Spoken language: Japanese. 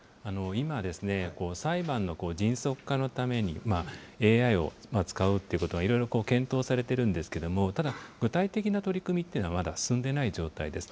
今、裁判の迅速化のために、ＡＩを使うということがいろいろ検討されてるんですけれども、ただ具体的な取り組みっていうのは、まだ進んでいない状態です。